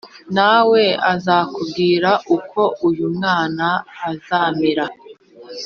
na we azakubwire uko uyu mwana azamera”